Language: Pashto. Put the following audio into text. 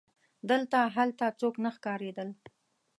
دلته هلته څوک نه ښکارېدل.